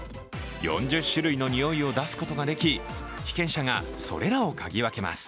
４０種類のにおいを出すことができ被験者がそれらをかぎ分けます。